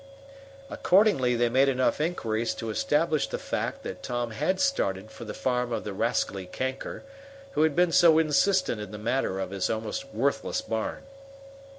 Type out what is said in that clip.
Accordingly they made enough inquiries to establish the fact that Tom had started for the farm of the rascally Kanker, who had been so insistent in the matter of his almost worthless barn.